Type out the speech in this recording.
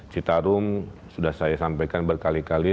citarum sudah saya sampaikan berkali kali